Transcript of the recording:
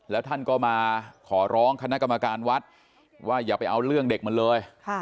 แล้วท่านก็มาขอร้องคณะกรรมการวัดว่าอย่าไปเอาเรื่องเด็กมันเลย